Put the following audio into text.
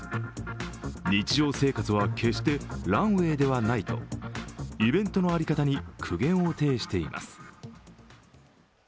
日常生活は決してランウェイではないとイベントの在り方に苦言を呈しています。